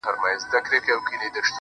شراب لس خُمه راکړه، غم په سېلاب راکه~